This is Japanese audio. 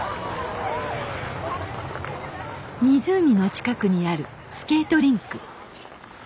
湖の近くにあるスケートリンク。